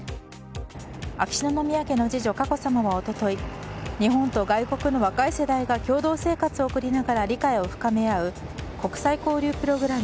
秋篠宮家の次女・佳子さまは一昨日日本と外国の若い世代が共同生活を送りながら理解を深め合う国際交流プログラム